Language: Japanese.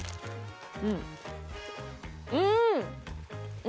うん！